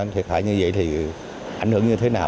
thiệt hại như vậy thì ảnh hưởng như thế nào